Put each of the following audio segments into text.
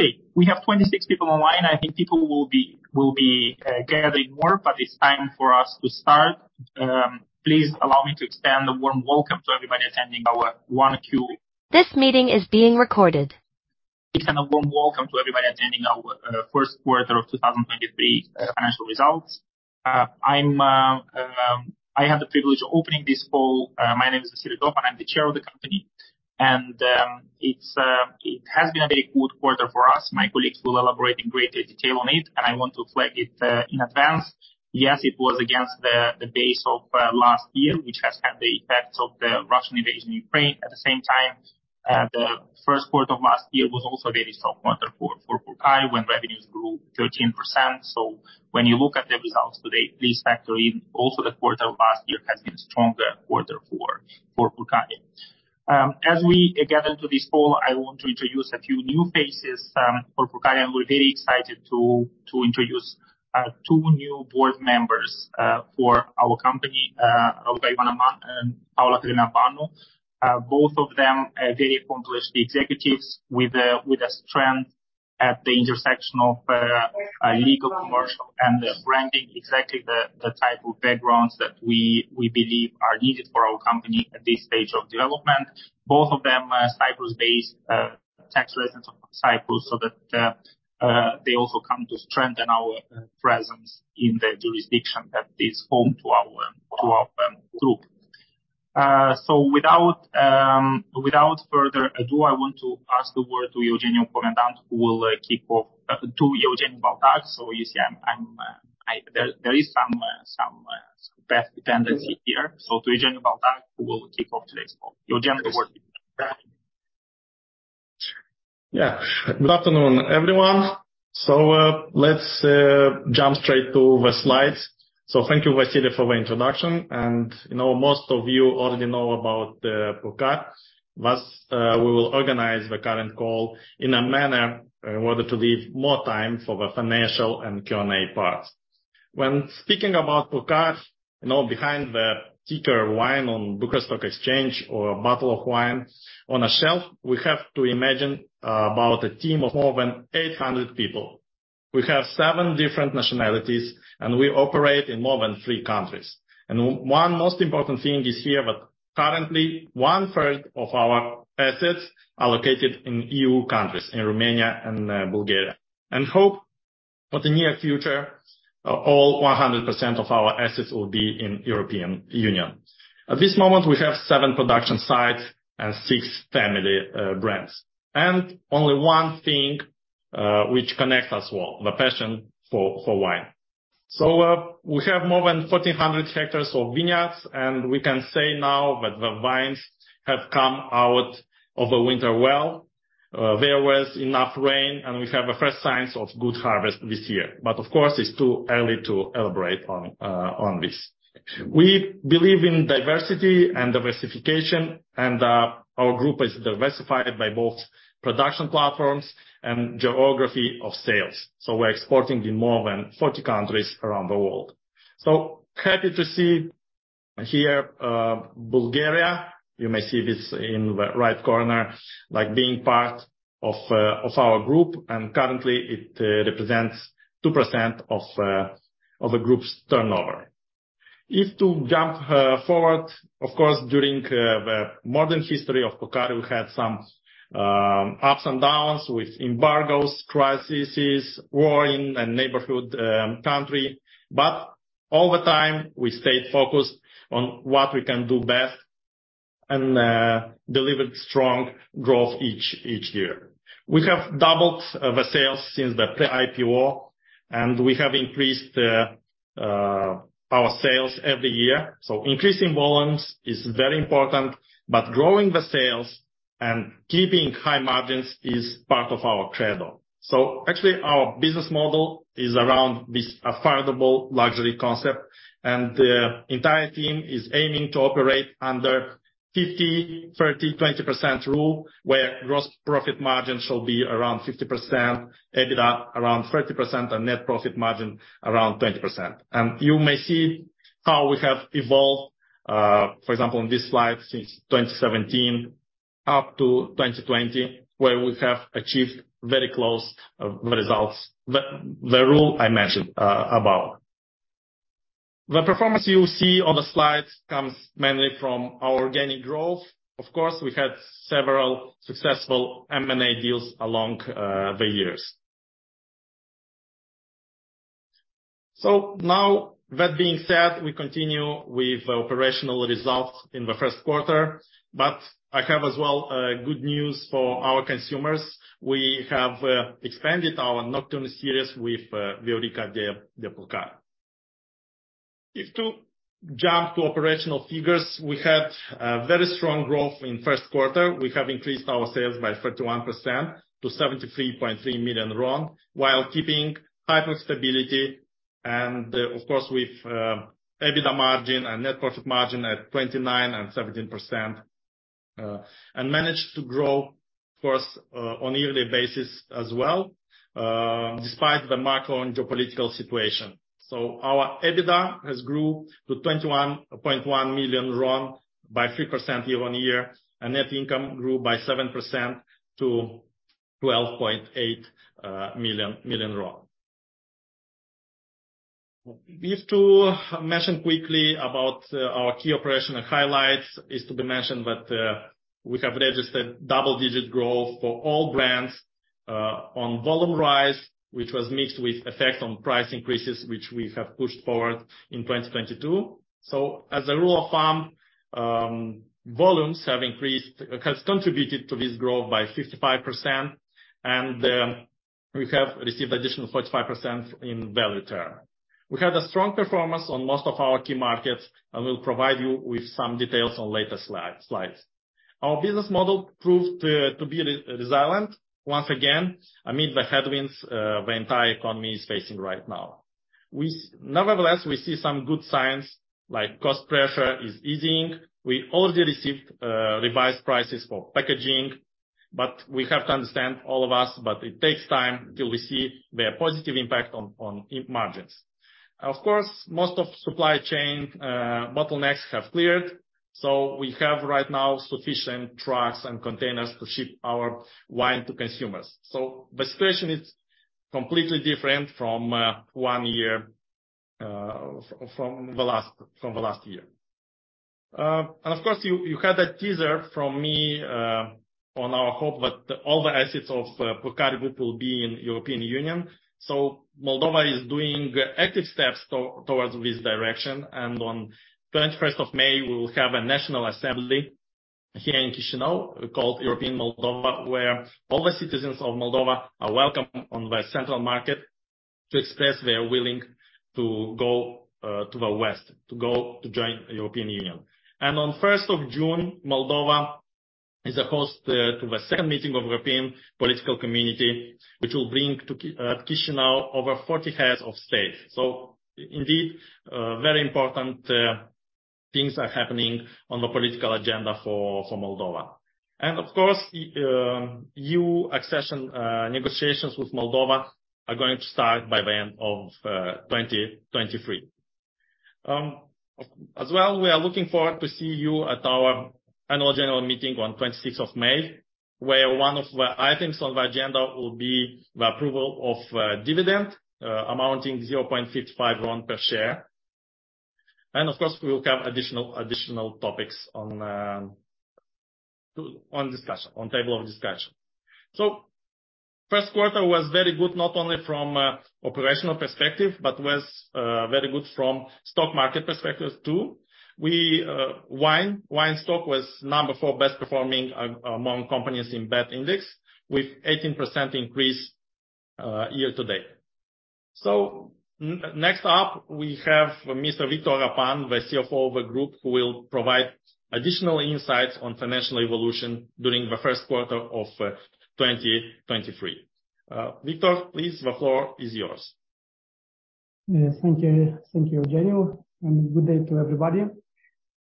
Okay, we have 26 people online. I think people will be gathering more, but it's time for us to start. Please allow me to extend a warm welcome to everybody attending our 1Q Extend a warm welcome to everybody attending our first quarter of 2023 financial results. I have the privilege of opening this call. My name is Vasile Tofan, I'm the Chair of the company. It's been a very good quarter for us. My colleagues will elaborate in greater detail on it, and I want to flag it in advance. Yes, it was against the base of last year, which has had the effects of the Russian invasion in Ukraine. At the same time, the first quarter of last year was also a very strong quarter for Purcari, when revenues grew 13%. When you look at the results today, please factor in also the quarter of last year has been stronger quarter for Purcari. As we get into this call, I want to introduce a few new faces for Purcari, and we're very excited to introduce two new board members for our company, Raul Găină and Paula-Cătălina Panu. Both of them are very accomplished executives with a strength at the intersection of legal, commercial, and branding. Exactly the type of backgrounds that we believe are needed for our company at this stage of development. Both of them are Cyprus-based tax residents of Cyprus, so that they also come to strengthen our presence in the jurisdiction that is home to our group. Without further ado, I want to pass the word to Eugeniu Baltag. You see, there is some dependency here. So Eugeniu Baltag who will kick off today's call. Eugeniu, the floor is yours. Good afternoon, everyone. Let's jump straight to the slides. Thank you, Vasile, for the introduction. You know, most of you already know about Purcari. Thus, we will organize the current call in a manner in order to leave more time for the financial and Q&A part. When speaking about Purcari, you know, behind the ticker WINE on Bucharest Stock Exchange or a bottle of wine on a shelf, we have to imagine about a team of more than 800 people. We have seven different nationalities, and we operate in more than three countries. One most important thing is here, but currently 1/3 of our assets are located in E.U. countries, in Romania and Bulgaria. Hope for the near future, all 100% of our assets will be in European Union. At this moment, we have seven production sites and six family brands. Only one thing which connects us all, the passion for wine. We have more than 1,400 hectares of vineyards, and we can say now that the vines have come out of the winter well. There was enough rain, and we have the first signs of good harvest this year. Of course, it's too early to elaborate on this. We believe in diversity and diversification, and our group is diversified by both production platforms and geography of sales. We're exporting in more than 40 countries around the world. Happy to see here Bulgaria. You may see this in the right corner, like being part of our group. Currently it represents 2% of the group's turnover. If to jump forward, of course, during the modern history of Purcari, we had some ups and downs with embargoes, crises, war in a neighborhood country. Over time, we stayed focused on what we can do best and delivered strong growth each year. We have doubled the sales since the pre-IPO, and we have increased our sales every year. Increasing volumes is very important, but growing the sales and keeping high margins is part of our credo. Actually, our business model is around this affordable luxury concept. The entire team is aiming to operate under 50%, 30%, 20% rule, where gross profit margin shall be around 50%, EBITDA around 30%, and net profit margin around 20%. You may see how we have evolved, for example, on this slide since 2017 up to 2020, where we have achieved very close results. The rule I mentioned about. The performance you see on the slide comes mainly from our organic growth. Of course, we had several successful M&A deals along the years. Now that being said, we continue with operational results in the first quarter. I have as well good news for our consumers. We have expanded our Nocturne series with Viorica de Purcari. If to jump to operational figures, we had very strong growth in first quarter. We have increased our sales by 31% to RON 73.3 million, while keeping hyper stability. Of course, with EBITDA margin and net profit margin at 29% and 17%, and managed to grow, of course, on a yearly basis as well. Despite the macro and geopolitical situation. Our EBITDA has grew to RON 21.1 million by 3% year-over-year, and net income grew by 7% to RON 12.8 million. We have to mention quickly about our key operational highlights is to be mentioned that we have registered double-digit growth for all brands on volume rise, which was mixed with effect on price increases, which we have pushed forward in 2022. As a rule of thumb, volumes has contributed to this growth by 55%, and we have received additional 45% in value term. We had a strong performance on most of our key markets. We'll provide you with some details on later slides. Our business model proved to be resilient once again, amid the headwinds the entire economy is facing right now. Nevertheless, we see some good signs like cost pressure is easing. We already received revised prices for packaging, but we have to understand, all of us, but it takes time till we see the positive impact on margins. Of course, most of supply chain bottlenecks have cleared, so we have right now sufficient trucks and containers to ship our wine to consumers. The situation is completely different from one year from the last year. Of course, you had a teaser from me on our hope that all the assets of Purcari Group will be in European Union. Moldova is doing active steps towards this direction. On 21st of May, we will have a national assembly here in Chișinău, called European Moldova, where all the citizens of Moldova are welcome on the central market to express their willing to go to the West, to go to join European Union. On 1st of June, Moldova is a host to the second meeting of European Political Community, which will bring to Chișinău over 40 heads of state. Indeed, very important things are happening on the political agenda for Moldova. Of course, the E.U. accession negotiations with Moldova are going to start by the end of 2023. As well, we are looking forward to see you at our Annual General Meeting on 26th of May, where one of the items on the agenda will be the approval of dividend amounting RON 0.55 per share. Of course, we will have additional topics on discussion, on table of discussion. First quarter was very good, not only from operational perspective, but was very good from stock market perspectives too. Wine stock was number four best performing among companies in BET Index with 18% increase year to date. Next up, we have Mr. Victor Arapan, the CFO of the group, who will provide additional insights on financial evolution during the first quarter of 2023. Victor, please, the floor is yours. Yes. Thank you. Thank you, Eugeniu. Good day to everybody.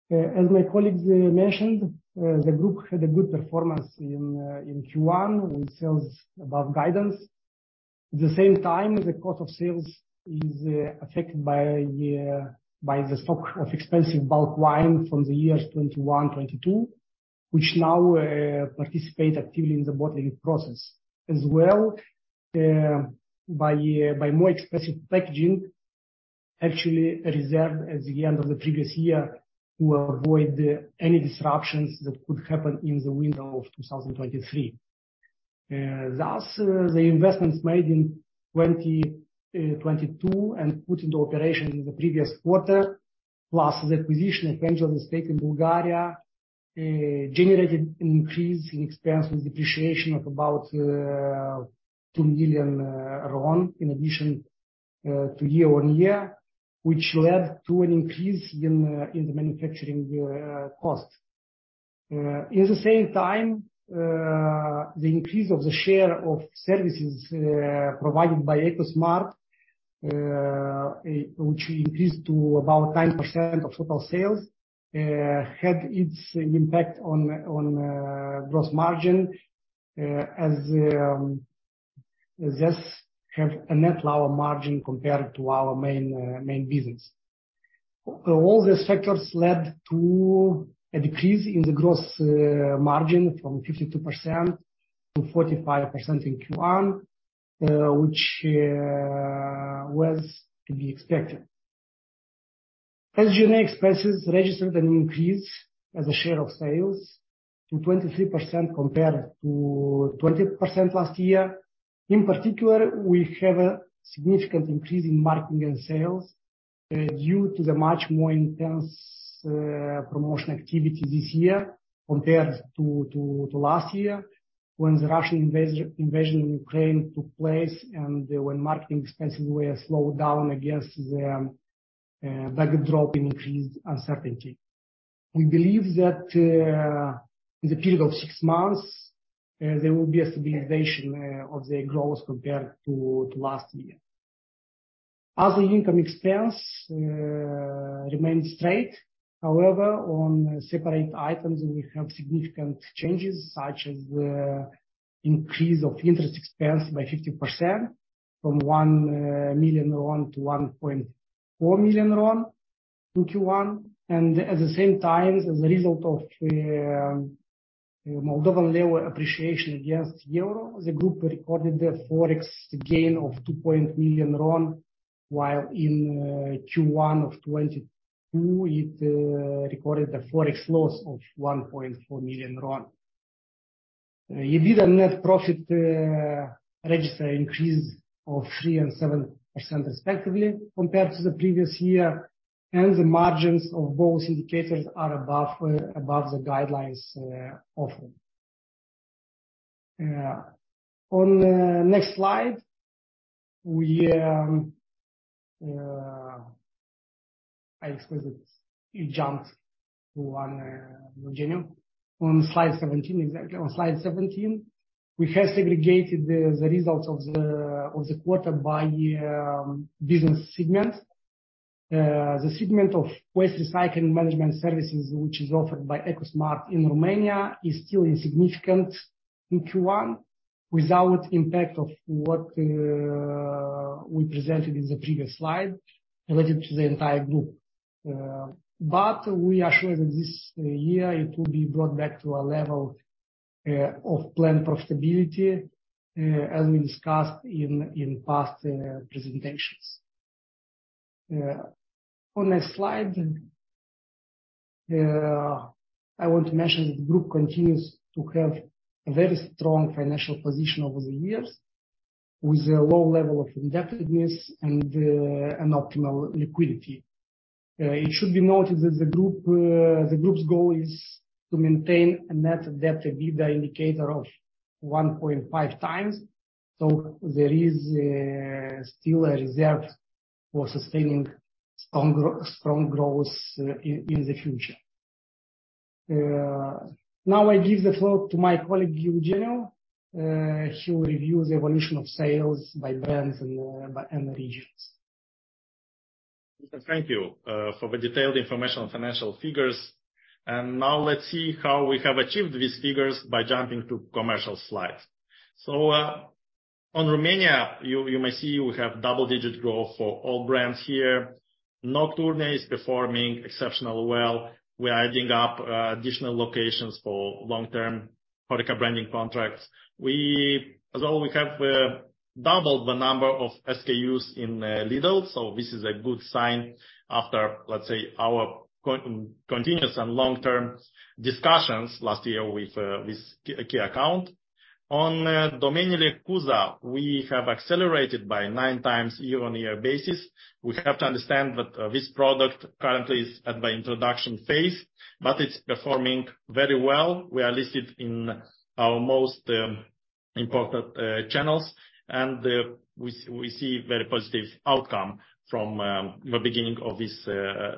As my colleagues mentioned, the group had a good performance in Q1 with sales above guidance. At the same time, the cost of sales is affected by the stock of expensive bulk wine from the years 2021, 2022, which now participate actively in the bottling process. As well, by more expensive packaging, actually reserved at the end of the previous year to avoid any disruptions that could happen in the window of 2023. Thus, the investments made in 2022 and put into operation in the previous quarter, plus the acquisition of Angel's Estate in Bulgaria generated an increase in expense and depreciation of about RON 2 million, in addition to year-on-year, which led to an increase in the manufacturing costs. In the same time, the increase of the share of services provided by Ecosmart, which increased to about 9% of total sales, had its impact on gross margin, as this have a net lower margin compared to our main business. All these factors led to a decrease in the gross margin from 52% to 45% in Q1, which was to be expected. As you know, expenses registered an increase as a share of sales to 23% compared to 20% last year. In particular, we have a significant increase in marketing and sales, due to the much more intense promotion activity this year compared to last year when the Russian invasion in Ukraine took place and when marketing expenses were slowed down against the backdrop in increased uncertainty. We believe that, in the period of six months, there will be a stabilization of the growth compared to last year. Other income expense remains straight. However, on separate items we have significant changes such as increase of interest expense by 50% from RON 1 million to 1.4 million in Q1. At the same time, as a result of MDL appreciation against EUR, the group recorded a Forex gain of RON 2 million. While in Q1 of 2022 it recorded a Forex loss of RON 1.4 million. EBITDA net profit registered increase of 3% and 7% respectively compared to the previous year. The margins of both indicators are above the guidelines offered. On the next slide, I excuse it. It jumped to one, Eugeniu. On slide 17 exactly. On slide 17, we have segregated the results of the quarter by business segment. The segment of waste recycling management services, which is offered by Ecosmart in Romania is still insignificant in Q1 without impact of what we presented in the previous slide related to the entire group. We are sure that this year it will be brought back to a level of planned profitability as we discussed in past presentations. On next slide, I want to mention the group continues to have a very strong financial position over the years with a low level of indebtedness and an optimal liquidity. It should be noted that the group's goal is to maintain a Net Debt to EBITDA indicator of 1.5 times. There is still a reserve for sustaining strong growth in the future. Now I give the floor to my colleague, Eugeniu. He will review the evolution of sales by brands and by end regions. Thank you for the detailed information on financial figures. Now let's see how we have achieved these figures by jumping to commercial slides. On Romania, you may see we have double-digit growth for all brands here. Nocturne is performing exceptionally well. We're adding up additional locations for long-term HORECA branding contracts. As well we have doubled the number of SKUs in Lidl, so this is a good sign after, let's say, our continuous and long-term discussions last year with this key account. On Domeniile Cuza, we have accelerated by nine times year-on-year basis. We have to understand that this product currently is at the introduction phase, but it's performing very well. We are listed in our most important channels, and we see very positive outcome from the beginning of this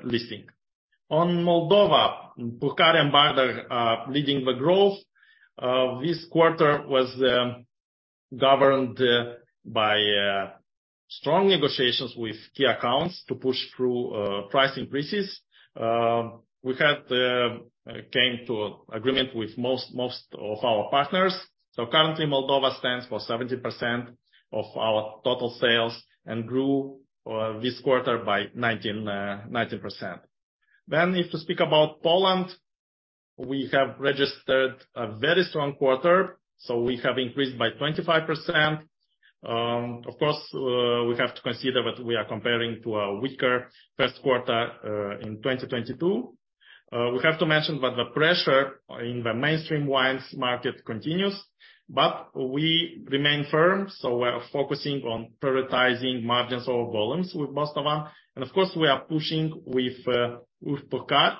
listing. On Moldova, Purcari and Bardar are leading the growth. This quarter was governed by strong negotiations with key accounts to push through price increases. We had came to agreement with most of our partners. Currently, Moldova stands for 70% of our total sales and grew this quarter by 19%. If to speak about Poland, we have registered a very strong quarter, so we have increased by 25%. Of course, we have to consider that we are comparing to a weaker first quarter in 2022. We have to mention that the pressure in the mainstream wines market continues, but we remain firm, so we're focusing on prioritizing margins over volumes with most of them. Of course, we are pushing with Purcari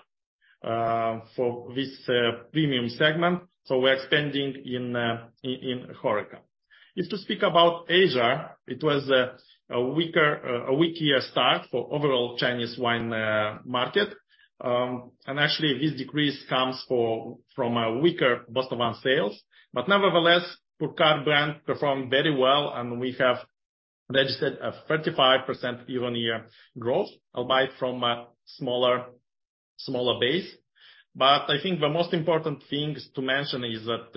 for this premium segment, so we're expanding in HORECA. If to speak about Asia, it was a weak year start for overall Chinese wine market. Actually, this decrease comes from a weaker Bostavan sales. Nevertheless, Purcari brand performed very well, and we have registered a 35% year-on-year growth, albeit from a smaller base. I think the most important things to mention is that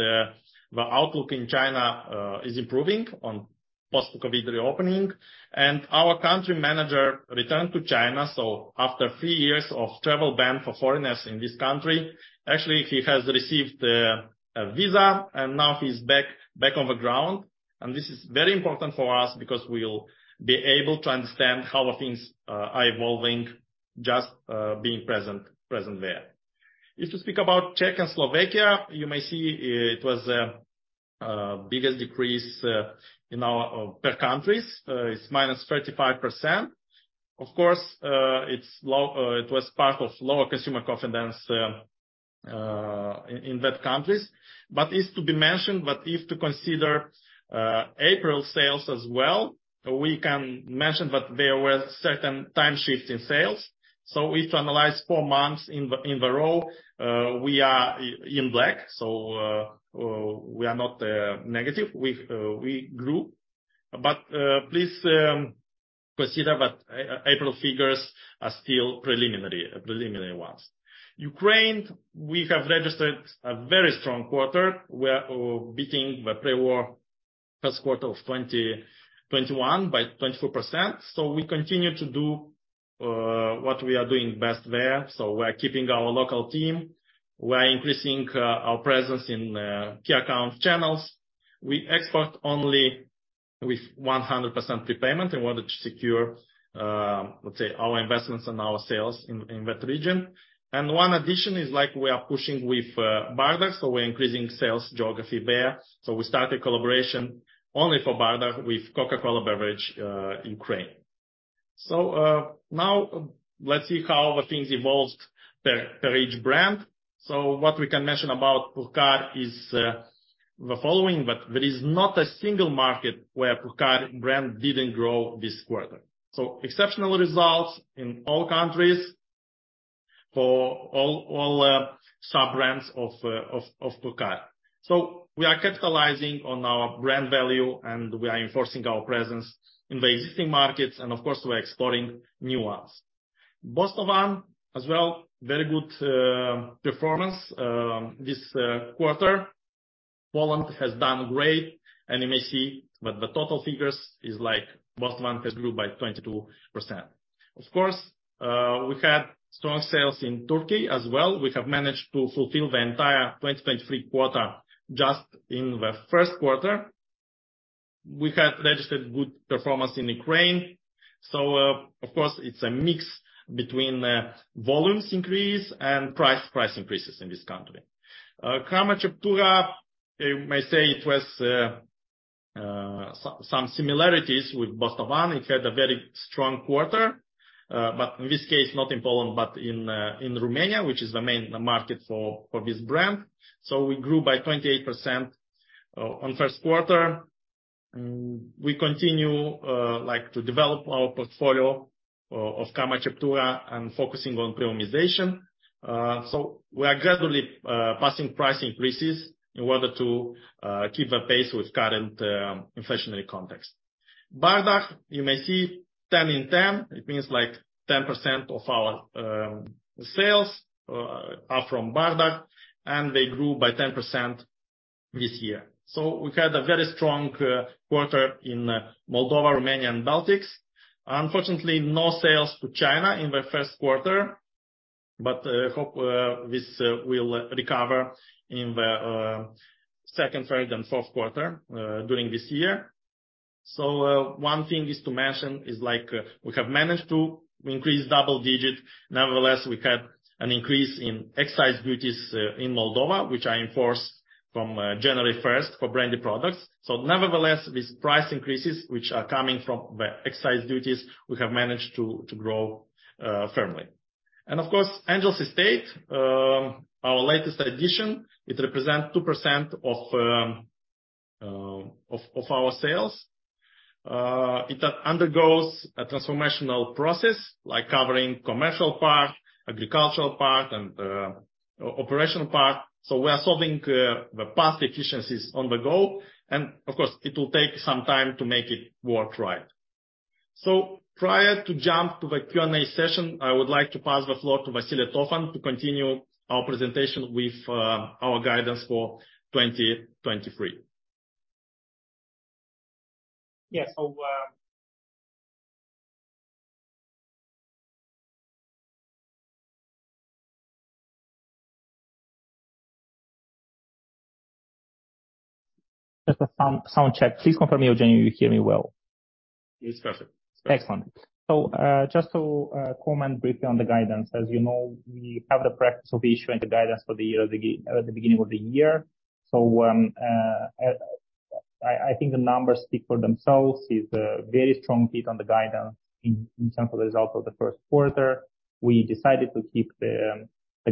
the outlook in China is improving on post-COVID reopening. Our country manager returned to China, so after three years of travel ban for foreigners in this country, actually he has received a visa, and now he's back on the ground. This is very important for us because we'll be able to understand how the things are evolving just being present there. If to speak about Czechoslovakia, you may see it was biggest decrease in our per countries. It's -35%. Of course, it was part of lower consumer confidence in that countries. Is to be mentioned that if to consider April sales as well, we can mention that there were certain time shift in sales. If to analyze four months in the row, we are in black. We are not negative. We grew. Please consider that April figures are still preliminary ones. Ukraine, we have registered a very strong quarter. We are beating the pre-war 1st quarter of 2021 by 24%. We continue to do what we are doing best there. We are keeping our local team. We are increasing our presence in key account channels. We export only with 100% prepayment in order to secure, let's say our investments and our sales in that region. One addition is, like, we are pushing with Bardar, we're increasing sales geography there. We started collaboration only for Bardar with Coca-Cola HBC in Ukraine. Now let's see how the things evolved per each brand. What we can mention about Purcari is the following, but there is not a single market where Purcari brand didn't grow this quarter. Exceptional results in all countries for all sub-brands of Purcari. We are capitalizing on our brand value, and we are enforcing our presence in the existing markets and of course, we're exploring new ones. Bostavan as well, very good performance this quarter. Poland has done great, and you may see that the total figures is like Bostavan has grew by 22%. Of course, we had strong sales in Turkey as well. We have managed to fulfill the entire 2023 quarter just in the first quarter. We had registered good performance in Ukraine. Of course, it's a mix between volumes increase and price increases in this country. Crama Ceptura, you may say it was some similarities with Bostavan. It had a very strong quarter, but in this case, not in Poland, but in Romania, which is the main market for this brand. We grew by 28% on first quarter. We continue like to develop our portfolio of Crama Ceptura and focusing on premiumization. We are gradually passing price increases in order to keep apace with current inflationary context. Bardar you may see 10 in 10. It means like 10% of our sales are from Bardar and they grew by 10% this year. We had a very strong quarter in Moldova, Romania, and Baltics. Unfortunately, no sales to China in the first quarter. Hope this will recover in the second, third, and fourth quarter during this year. One thing is to mention is, like, we have managed to increase double digit. Nevertheless, we had an increase in excise duties in Moldova, which are enforced from January 1st for branded products. Nevertheless, these price increases which are coming from the excise duties, we have managed to grow firmly. Of course, Angels Estate, our latest addition, it represent 2% of our sales. It undergoes a transformational process like covering commercial part, agricultural part, and operational part. We are solving the past efficiencies on the go. Of course, it will take some time to make it work right. Prior to jump to the Q&A session, I would like to pass the floor to Vasile Tofan to continue our presentation with our guidance for 2023. Yeah. Just a sound check. Please confirm you're genuine, you hear me well. Yes, got you. Excellent. Just to comment briefly on the guidance. As you know, we have the practice of issuing the guidance for the year at the beginning of the year. I think the numbers speak for themselves. It's a very strong hit on the guidance in terms of results of the first quarter. We decided to keep the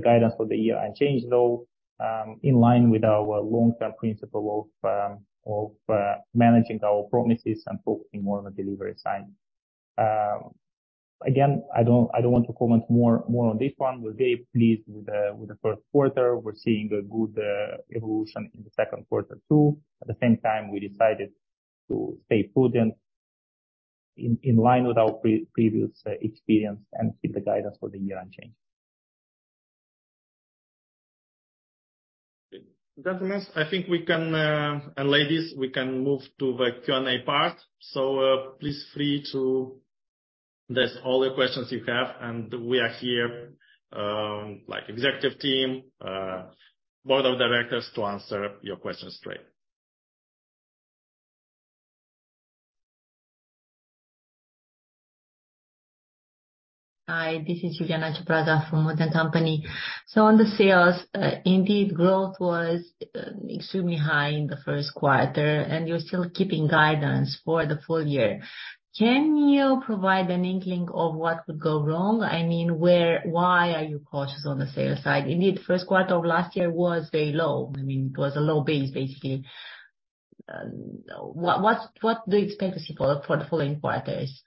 guidance for the year unchanged, though, in line with our long-term principle of managing our promises and focusing more on the delivery side. Again, I don't want to comment more on this one. We're very pleased with the first quarter. We're seeing a good evolution in the second quarter too. At the same time, we decided to stay prudent in line with our pre-previous experience and keep the guidance for the year unchanged. Gentlemen, I think we can, and ladies, we can move to the Q&A part. Please free to ask all the questions you have, and we are here, like executive team, board of directors to answer your questions today. Hi, this is Iuliana Ciopraga from WOOD & Company. On the sales, indeed, growth was extremely high in the first quarter, and you're still keeping guidance for the full year. Can you provide an inkling of what could go wrong? I mean, why are you cautious on the sales side? Indeed, first quarter of last year was very low. I mean, it was a low base, basically. What's the expectancy for the following quarters?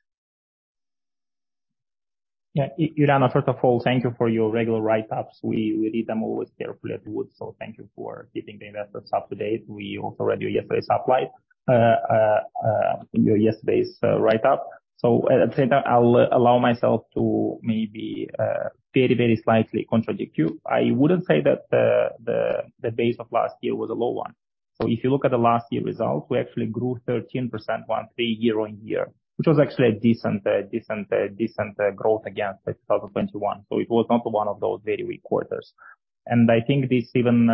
Yeah. Iuliana, first of all, thank you for your regular write-ups. We read them always carefully at WOOD. Thank you for keeping the investors up to date. We also read you yesterday's uplight, your yesterday's write up. At that time, I'll allow myself to maybe very, very slightly contradict you. I wouldn't say that the base of last year was a low one. If you look at the last year results, we actually grew 13% year-on-year, which was actually a decent growth against like 2021. It was not one of those very weak quarters. I think this even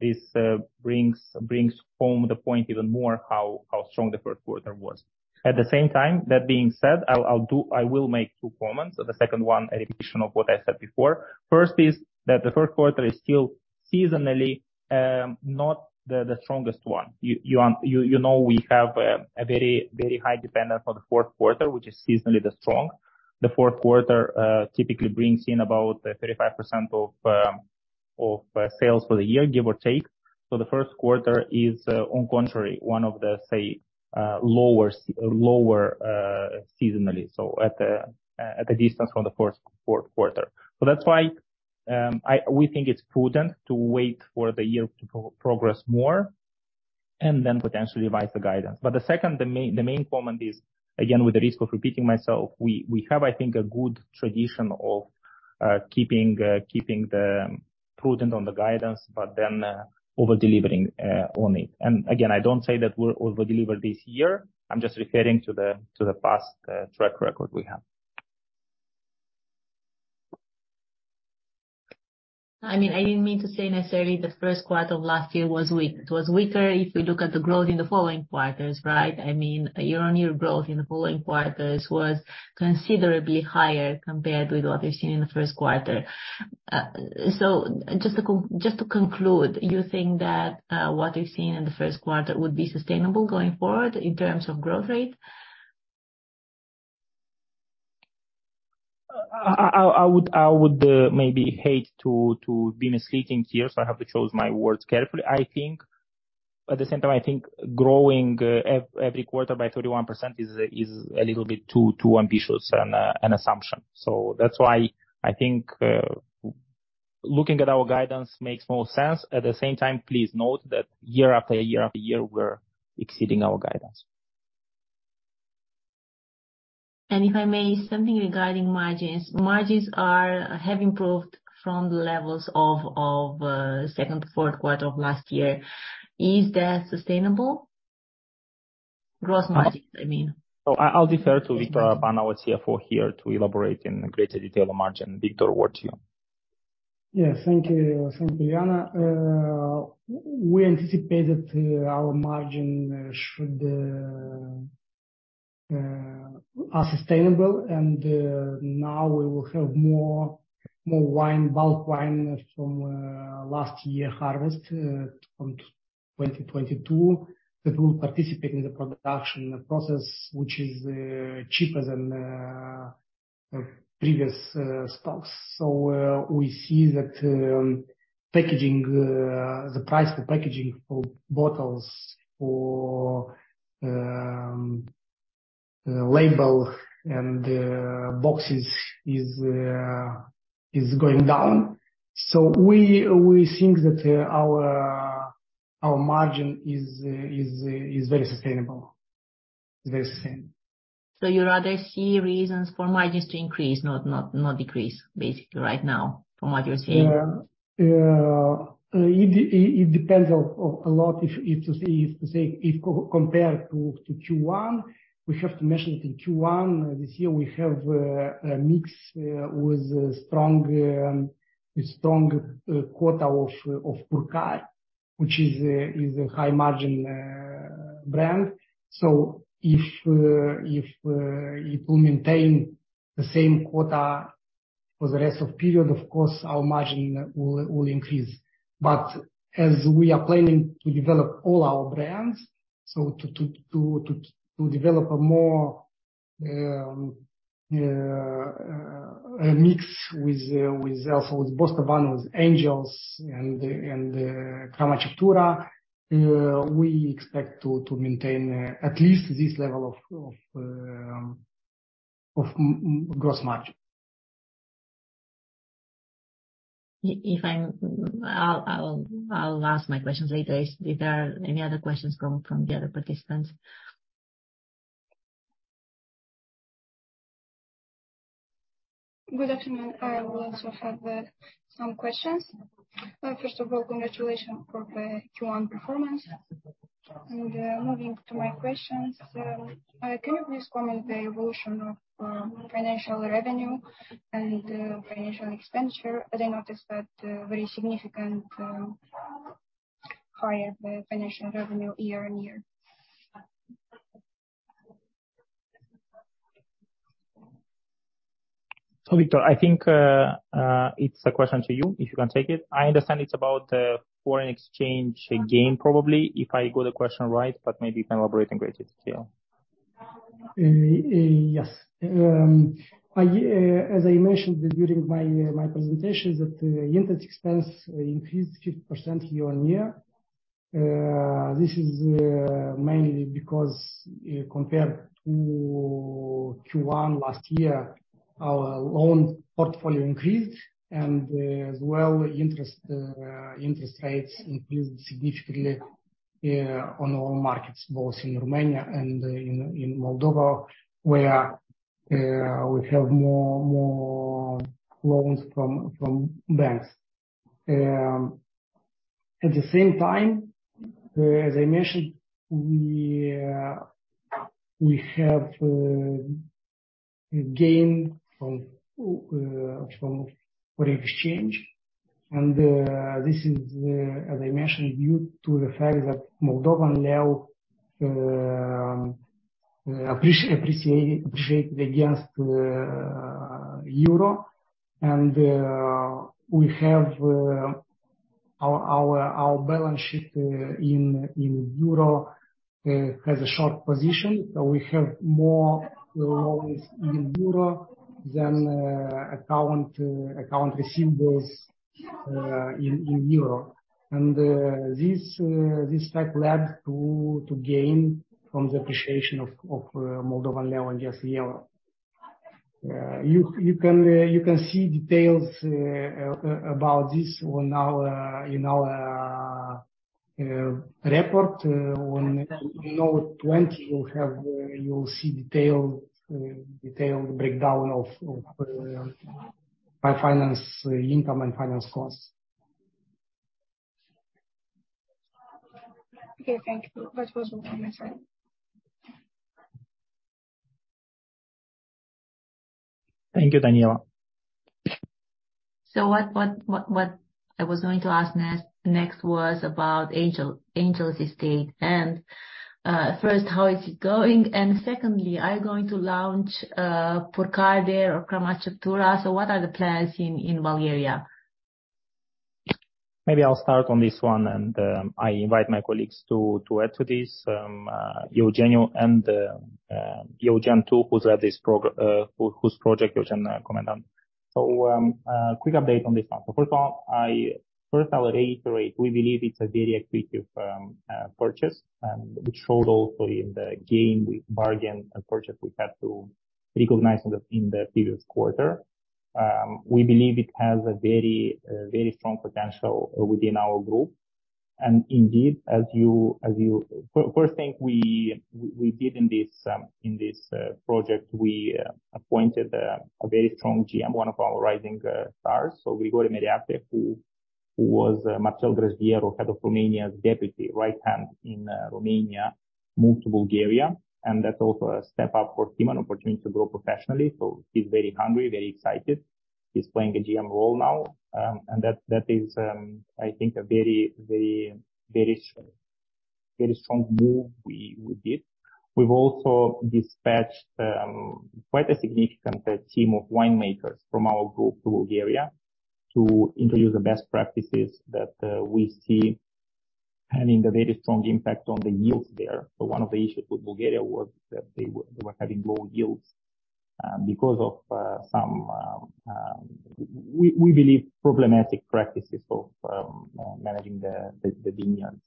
this brings home the point even more how strong the first quarter was. At the same time, that being said, I will make two comments. The second one, a repetition of what I said before. First is that the first quarter is still seasonally not the strongest one. You know, we have a very high dependent on the fourth quarter, which is seasonally the strong. The fourth quarter typically brings in about 35% of sales for the year, give or take. The first quarter is on contrary, one of the lower seasonally, so at the distance from the first fourth quarter. That's why we think it's prudent to wait for the year to progress more and then potentially revise the guidance. The second, the main comment is, again, with the risk of repeating myself, we have, I think, a good tradition of keeping the prudent on the guidance but then over-delivering on it. Again, I don't say that we'll over-deliver this year. I'm just referring to the past track record we have. I mean, I didn't mean to say necessarily the first quarter of last year was weak. It was weaker if we look at the growth in the following quarters, right? I mean, year-on-year growth in the following quarters was considerably higher compared with what we've seen in the first quarter. Just to conclude, you think that what we've seen in the first quarter would be sustainable going forward in terms of growth rate? I would maybe hate to be misleading here, so I have to choose my words carefully. I think. At the same time, I think growing every quarter by 31% is a little bit too ambitious an assumption. That's why I think looking at our guidance makes more sense. At the same time, please note that year after year after year, we're exceeding our guidance. If I may, something regarding margins. Margins have improved from the levels of the 2nd to 4th quarter of last year. Is that sustainable? Gross margins, I mean. I'll defer to Victor Arapan, our CFO here, to elaborate in greater detail on margin. Victor, over to you. Yeah. Thank you. Thank you, Iuliana. We anticipated our margin should are sustainable. Now we will have more wine, bulk wine from last year harvest from 2022, that will participate in the production process, which is cheaper than previous stocks. We see that packaging, the price for packaging for bottles, for label and boxes is going down. We think that our margin is very sustainable. Very sustainable. You rather see reasons for margins to increase, not decrease basically right now from what you're seeing? Yeah. It depends a lot if compared to Q1, we have to mention that in Q1 this year we have a mix with a strong quota of Purcari, which is a high margin brand. If it will maintain the same quota for the rest of period, of course our margin will increase. As we are planning to develop all our brands, so to develop a more a mix with Bostavan, with Angels and Crama Ceptura, we expect to maintain at least this level of gross margin. I'll ask my questions later. If there are any other questions coming from the other participants. Good afternoon. I will also have some questions. First of all, congratulations for the Q1 performance. Moving to my questions, can you please comment the evolution of financial revenue and financial expenditure? I noticed that very significant higher the financial revenue year-on-year. Victor, I think, it's a question to you, if you can take it. I understand it's about foreign exchange gain probably, if I got the question right, but maybe you can elaborate in greater detail. Yes. As I mentioned during my presentation that interest expense increased 50% year-on-year. This is mainly because compared to Q1 last year, our loan portfolio increased and as well interest rates increased significantly on all markets, both in Romania and in Moldova, where we have more loans from banks. At the same time, as I mentioned, we have gain from foreign exchange. This is as I mentioned, due to the fact that Moldovan leu appreciated against euro. We have our balance sheet in euro has a short position. We have more loans in euro than account receivables in euro. This fact led to gain from the appreciation of Moldovan leu against the EUR. You can see details about this on our in our report. On note 20 we have, you'll see detailed breakdown of our finance income and finance costs. Okay, thank you. That was all from my side. Thank you, Daniela. What I was going to ask next was about Angel's Estate and, first, how is it going? Secondly, are you going to launch Purcari there or Crama Ceptura? What are the plans in Bulgaria? Maybe I'll start on this one. I invite my colleagues to add to this. Eugeniu and Iuliana too, whose project Iulian comment on. Quick update on this one. First I would reiterate, we believe it's a very attractive purchase, which showed also in the gain with bargain and purchase we had to recognize in the previous quarter. We believe it has a very strong potential within our group. Indeed, as you first thing we did in this project, we appointed a very strong GM, one of our rising stars. Grigore Meriacre, who was Marcel Grajdieru, Head of Romania's deputy right-hand in Romania, moved to Bulgaria. That's also a step up for him, an opportunity to grow professionally. He's very hungry, very excited. He's playing a GM role now. That is, I think a very strong move we did. We've also dispatched quite a significant team of winemakers from our group to Bulgaria to introduce the best practices that we see having a very strong impact on the yields there. One of the issues with Bulgaria was that they were having low yields because of some we believe problematic practices of managing the vineyards.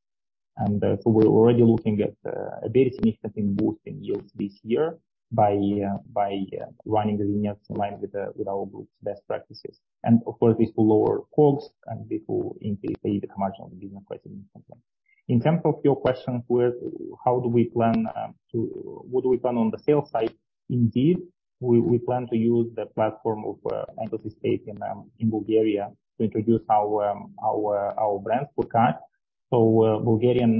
We're already looking at a very significant boost in yields this year by running the vineyards in line with our group's best practices. Of course, this will lower costs and this will increase the commercial business quite significantly. In terms of your question with what do we plan on the sales side? Indeed, we plan to use the platform of Angel's Estate in Bulgaria to introduce our our brands Purcari. Bulgarian,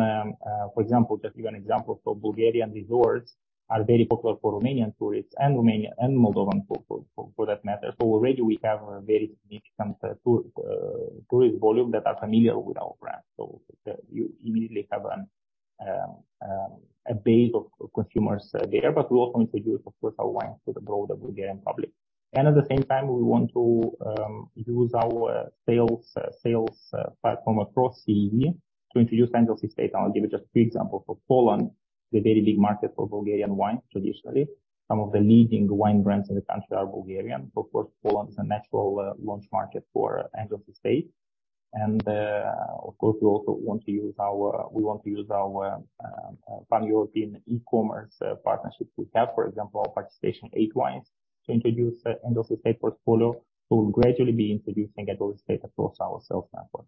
for example, just give an example. Bulgarian resorts are very popular for Romanian tourists and Romanian and Moldovan for that matter. Already we have a very significant tourist volume that are familiar with our brand. You immediately have a base of consumers there. We also introduce, of course, our wine to the broader Bulgarian public. At the same time, we want to use our sales platform across CEE to introduce Angels Estate. I'll give you just a few example. For Poland, the very big market for Bulgarian wine, traditionally, some of the leading wine brands in the country are Bulgarian. Of course, Poland is a natural launch market for Angels Estate. Of course, we also want to use our pan-European e-commerce partnerships we have. For example, our participation in 8Wines to introduce the Angels Estate portfolio. We'll gradually be introducing Angels Estate across our sales platform.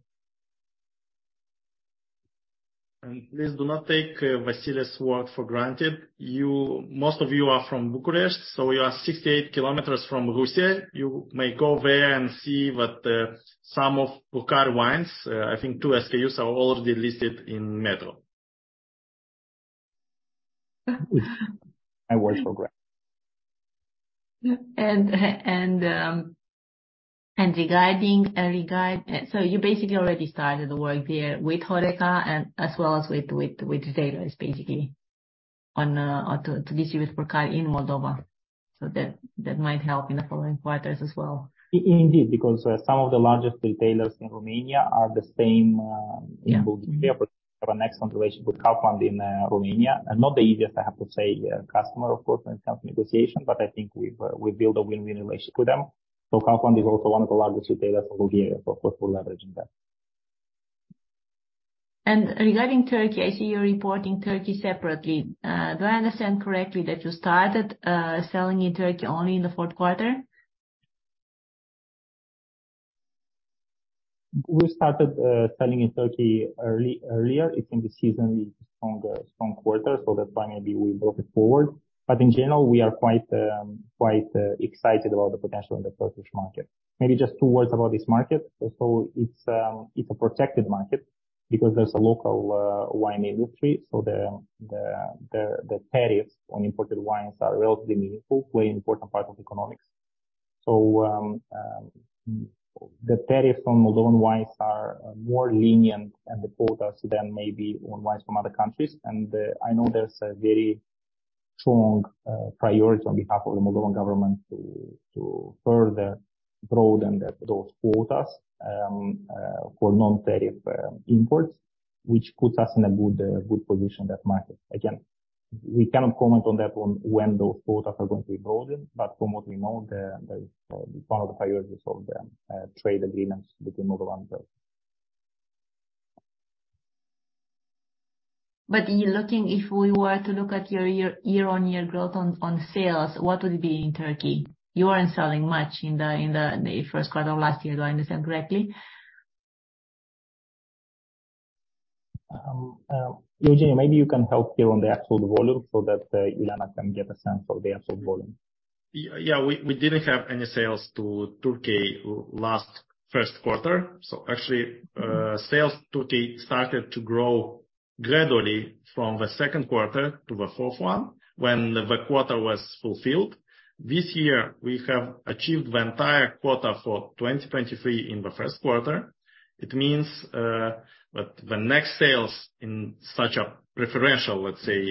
Please do not take Vasile's word for granted. Most of you are from Bucharest, you are 68 km from Huși. You may go there and see what some of Purcari wines, I think two SKUs are already listed in Metro. My words for granted. You basically already started the work there with HORECA and as well as with retailers basically on or to distribute Purcari in Moldova. That might help in the following quarters as well. Indeed, because some of the largest retailers in Romania are the same, Yeah. in Bulgaria. We have an excellent relationship with Carrefour in Romania. Not the easiest, I have to say, customer, of course, when it comes to negotiation, but I think we've built a win-win relationship with them. Carrefour is also one of the largest retailers in Bulgaria. Of course, we're leveraging that. Regarding Turkey, I see you're reporting Turkey separately. Do I understand correctly that you started selling in Turkey only in the fourth quarter? We started selling in Turkey early, earlier. It can be seasonally stronger, strong quarter, that's why maybe we brought it forward. In general, we are quite excited about the potential in the Turkish market. Maybe just two words about this market. It's a protected market because there's a local wine industry, the tariffs on imported wines are relatively meaningful, play an important part of economics. The tariffs on Moldovan wines are more lenient and the quotas than maybe on wines from other countries. I know there's a very strong priority on behalf of the Moldovan government to further broaden those quotas for non-tariff imports, which puts us in a good position in that market. We cannot comment on when those quotas are going to be broadened, but from what we know, one of the priorities of the trade agreements between Moldova and Turkey. If we were to look at your year-on-year growth on sales, what would it be in Turkey? You weren't selling much in the first quarter of last year. Do I understand correctly? Eugeniu, maybe you can help here on the actual volume so that Elena can get a sense of the actual volume. Yeah, yeah. We didn't have any sales to Turkey last first quarter. Actually, sales Turkey started to grow gradually from the second quarter to the fourth one, when the quarter was fulfilled. This year we have achieved the entire quota for 2023 in the first quarter. It means that the next sales in such a preferential, let's say,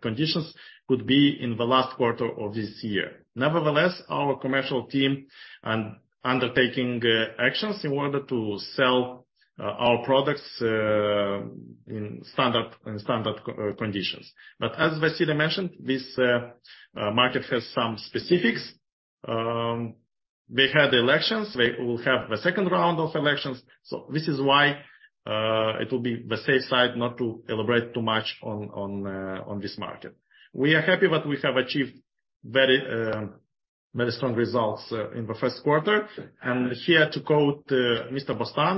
conditions, could be in the last quarter of this year. Nevertheless, our commercial team are undertaking actions in order to sell our products in standard conditions. As Vasile mentioned, this market has some specifics. They had elections. They will have the second round of elections. This is why it will be the safe side not to elaborate too much on this market. We are happy that we have achieved very, very strong results in the first quarter. Here, to quote Mr. Bostan,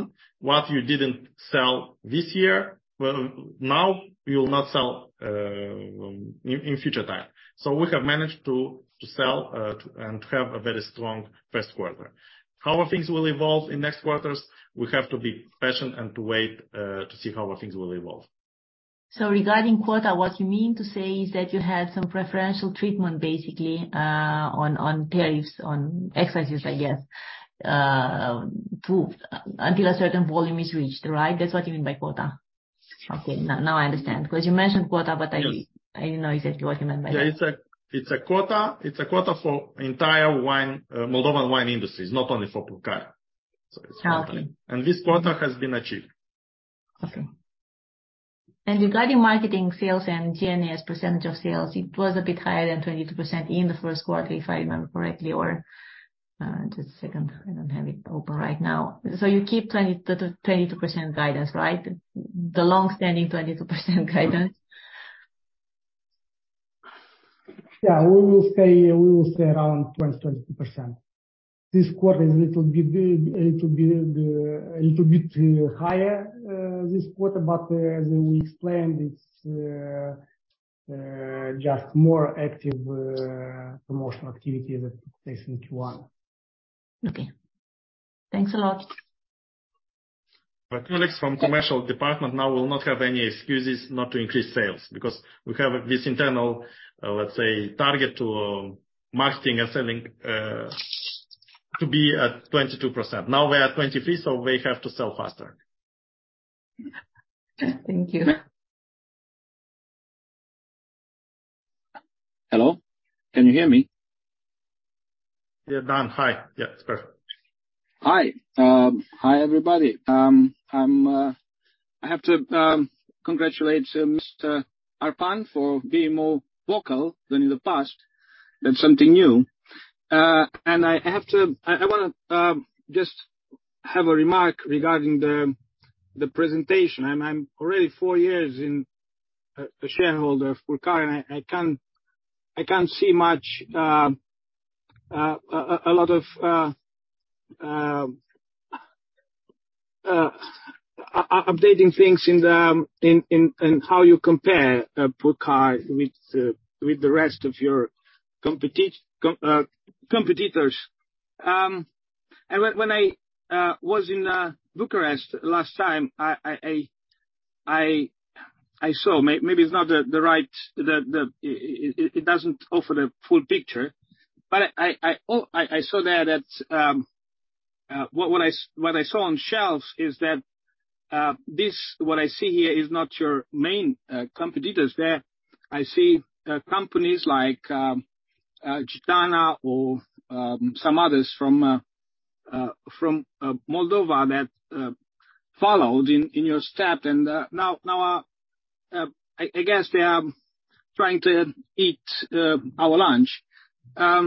"What you didn't sell this year, well, now you will not sell in future time." We have managed to sell and have a very strong first quarter. How things will evolve in next quarters, we have to be patient and to wait to see how things will evolve. Regarding quota, what you mean to say is that you had some preferential treatment basically, on tariffs, on exercises, I guess, until a certain volume is reached, right? That's what you mean by quota? Yes. Okay. Now I understand. 'Cause you mentioned quota. Yes. I didn't know exactly what you meant by that. Yeah, it's a quota for entire wine, Moldovan wine industries, not only for Purcari. Okay. It's something. This quota has been achieved. Okay. Regarding marketing sales and G&A percentage of sales, it was a bit higher than 22% in the first quarter, if I remember correctly, or, just a second. I don't have it open right now. You keep 22% guidance, right? The longstanding 22% guidance. Yeah. We will stay around 20%-22%. This quarter is a little bit higher this quarter, as we explained, it's just more active promotional activity that takes into one. Okay. Thanks a lot. Colleagues from commercial department now will not have any excuses not to increase sales because we have this internal, let's say, target to marketing and selling to be at 22%. Now we are at 23%. We have to sell faster. Thank you. Hello. Can you hear me? Yeah, Dan. Hi. Yeah, it's perfect. Hi. Hi, everybody. I have to congratulate Mr. Arapan for being more vocal than in the past. That's something new. I wanna just have a remark regarding the presentation. I'm already four years in a shareholder of Purcari, and I can't see much a lot of updating things in how you compare Purcari with the rest of your competitors. When I was in Bucharest last time, I saw. Maybe it's not the right, the. It doesn't offer the full picture. But I saw that at... What I saw on shelves is that, this, what I see here is not your main competitors there. I see companies like Gitana or some others from Moldova that followed in your step and now are. I guess they are trying to eat our lunch. I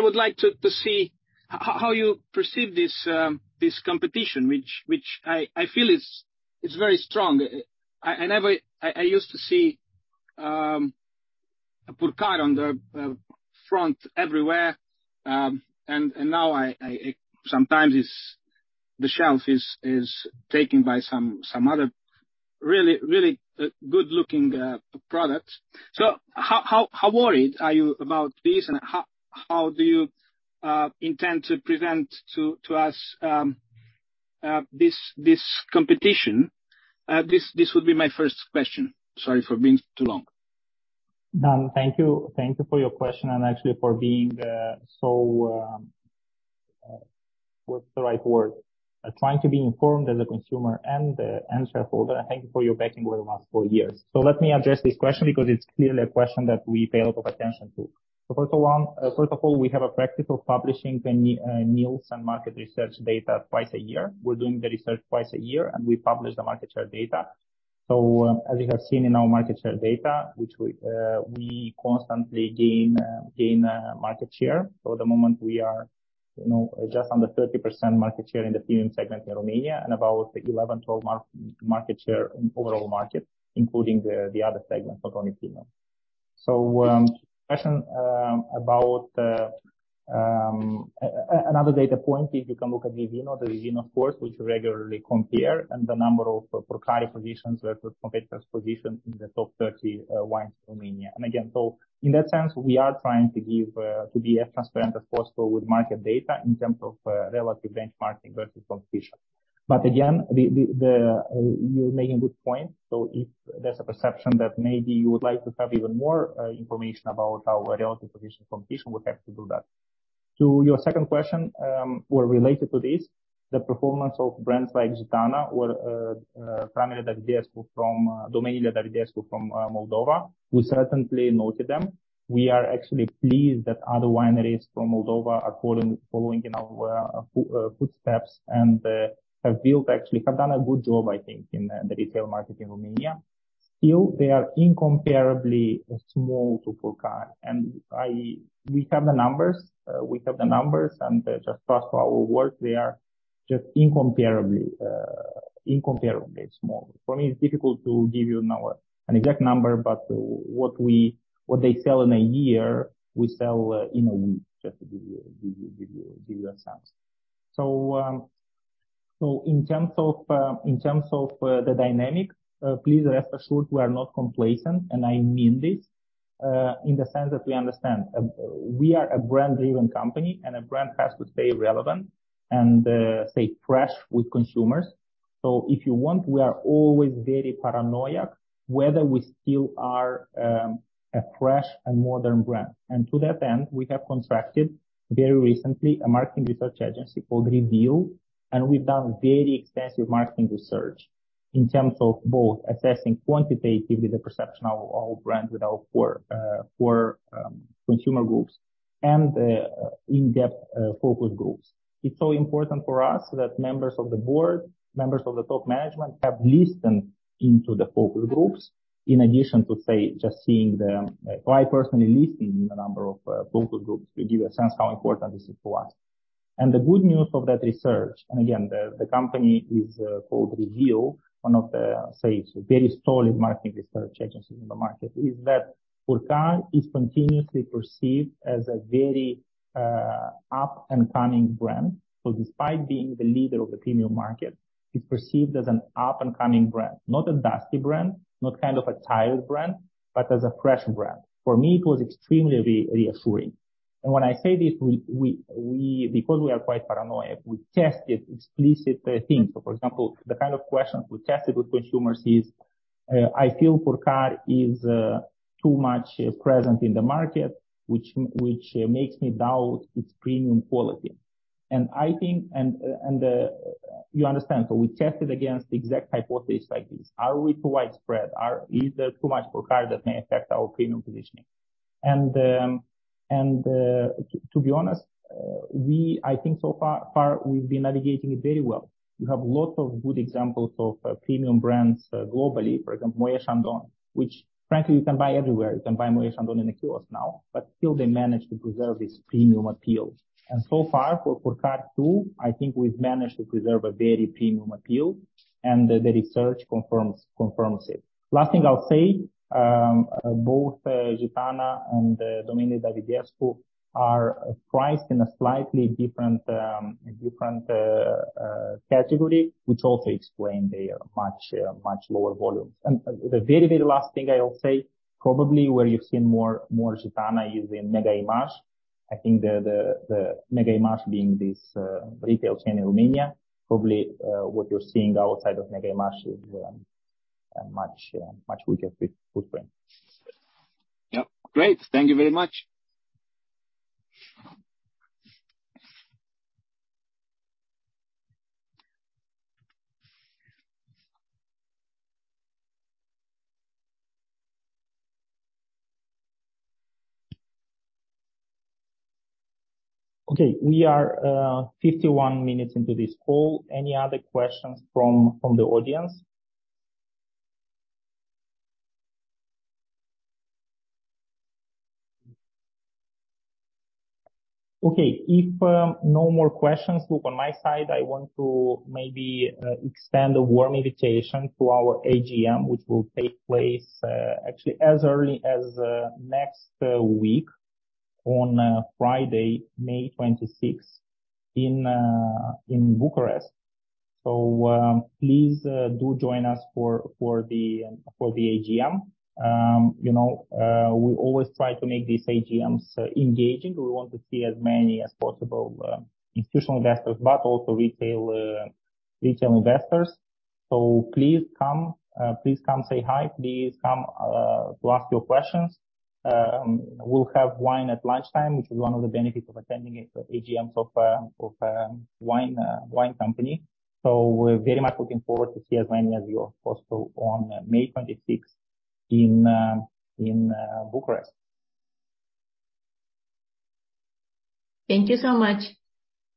would like to see how you perceive this competition, which I feel is very strong. I never. I used to see a Purcari on the front everywhere. Now I sometimes it's the shelf is taken by some other really good-looking products. How worried are you about this, and how do you intend to present to us, this competition? This would be my first question. Sorry for being too long. Dan, thank you. Thank you for your question and actually for being so, what's the right word? Trying to be informed as a consumer and shareholder. Thank you for your backing over the last four years. Let me address this question because it's clearly a question that we pay a lot of attention to. First of all, first of all, we have a practice of publishing the Nielsen market research data twice a year. We're doing the research twice a year, and we publish the market share data. As you have seen in our market share data, which we constantly gain market share. For the moment, we are, you know, just under 30% market share in the premium segment in Romania and about 11, 12 market share in overall market, including the other segments, not only premium. Question about Another data point, if you can look at DiVino. The DiVino, of course, which we regularly compare and the number of Purcari positions versus competitors' positions in the top 30 wines in Romania. Again, in that sense, we are trying to give to be as transparent as possible with market data in terms of relative benchmarking versus competition. Again, You're making a good point. If there's a perception that maybe you would like to have even more information about our relative position competition, we're happy to do that. To your second question, or related to this, the performance of brands like Gitana or Domeniile Davidescu, from Moldova, we certainly noted them. We are actually pleased that other wineries from Moldova are following in our footsteps and have built actually, have done a good job, I think, in the retail market in Romania. Still, they are incomparably small to Purcari. We have the numbers, we have the numbers, and just trust our words, they are just incomparably small. For me, it's difficult to give you an exact number, but what they sell in a year, we sell in a week, just to give you a sense. In terms of the dynamic, please rest assured we are not complacent, and I mean this in the sense that we understand we are a brand-driven company, and a brand has to stay relevant and stay fresh with consumers. If you want, we are always very paranoia whether we still are a fresh and modern brand. To that end, we have contracted very recently a marketing research agency called Review, and we've done very extensive marketing research in terms of both assessing quantitatively the perception of our brand with our core consumer groups and in-depth focus groups. It's so important for us that members of the board, members of the top management have listened into the focus groups in addition to, say, just seeing them. I personally listened in a number of focus groups to give a sense how important this is for us. The good news of that research, and again, the company is called Review, one of the, say, very solid marketing research agencies in the market, is that Purcari is continuously perceived as a very up and coming brand. Despite being the leader of the premium market, it's perceived as an up and coming brand. Not a dusty brand, not kind of a tired brand, but as a fresh brand. For me, it was extremely reassuring. When I say this, we, because we are quite paranoid, we tested explicit things. For example, the kind of questions we tested with consumers is, I feel Purcari is too much present in the market, which makes me doubt its premium quality. I think and you understand. We tested against the exact hypothesis like this. Are we too widespread? Is there too much Purcari that may affect our premium positioning? To be honest, we, I think so far we've been navigating it very well. We have lots of good examples of premium brands globally. For example, Moët & Chandon, which frankly you can buy everywhere. You can buy Moët & Chandon in IKEA now, but still they manage to preserve this premium appeal. So far, for Purcari, too, I think we've managed to preserve a very premium appeal, and the research confirms it. Last thing I'll say, both Gitana and Domeniile Davidescu are priced in a slightly different category, which also explain their much lower volumes. The very last thing I will say, probably where you've seen more Gitana is in Mega Image. I think the Mega Image being this retail chain in Romania, probably, what you're seeing outside of Mega Image is a much weaker footprint. Yep. Great. Thank you very much. We are 51 minutes into this call. Any other questions from the audience? If no more questions. On my side, I want to maybe extend a warm invitation to our AGM, which will take place actually as early as next week on Friday, May 26th in Bucharest. Please do join us for the AGM. You know, we always try to make these AGMs engaging. We want to see as many as possible institutional investors, but also retail investors. Please come say hi. Please come to ask your questions. We'll have wine at lunchtime, which is one of the benefits of attending AGMs of wine company. We're very much looking forward to see as many as you all possible on May 26th in Bucharest. Thank you so much.